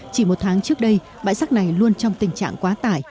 chỉ một tháng trước đây bãi rác này luôn trong tình trạng quá tải